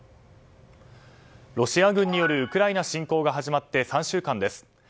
ロシア軍によるウクライナ侵攻が始まって３週間です。